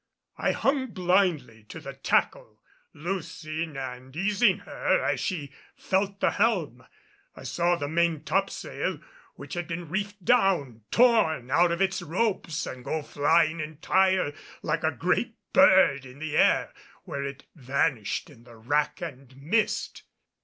I hung blindly to the tackle, loosing and easing her as she felt the helm. I saw the main topsail which had been reefed down, torn out of its ropes and go flying entire like a great bird in the air, where it vanished in the wrack and mist.